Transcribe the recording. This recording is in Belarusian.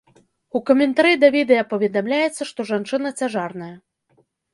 У каментары да відэа паведамляецца, што жанчына цяжарная.